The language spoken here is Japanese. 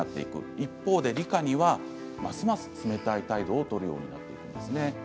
一方でリカにはますます冷たい態度を取るようになるんですね。